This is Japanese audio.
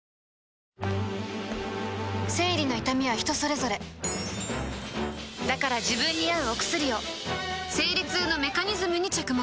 生理の痛みは人それぞれだから自分に合うお薬を生理痛のメカニズムに着目